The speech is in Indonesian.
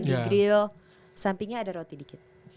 di grill sampingnya ada roti dikit